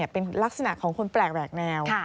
เป็นลักษณะของคนแปลกแหวกแนว